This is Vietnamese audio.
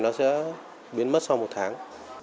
nó sẽ biến mất sau một tháng